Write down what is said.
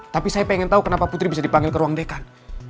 tapi saya pengen tahu kenapa putri bisa dipanggil ke ruang dekan